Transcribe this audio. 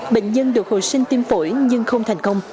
bệnh nhân được hồi sinh tim phổi nhưng không thành công